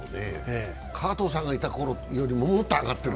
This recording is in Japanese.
川藤さんがいたころよりもっと上がってる？